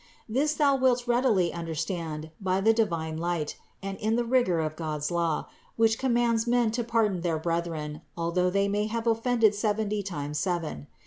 This thou wilt readily understand by the divine light and in the vigor of God's law, which commands men to pardon their brethren, although they may have offended seventy times seven.